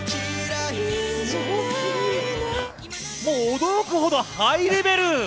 驚くほどハイレベル。